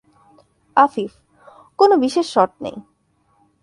আফিফ: কোনো বিশেষ শট নেই।